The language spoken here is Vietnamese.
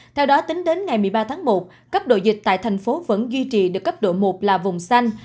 theo đó tính đến ngày một mươi ba tháng một cấp độ dịch tại thành phố vẫn duy trì được cấp độ một là vùng xanh